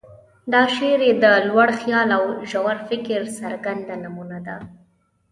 دا شعر یې د لوړ خیال او ژور فکر څرګنده نمونه ده.